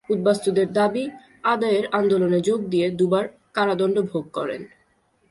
উদ্বাস্তুদের দাবি আদায়ের আন্দোলনে যোগ দিয়ে দুবার কারাদণ্ড ভোগ করেন।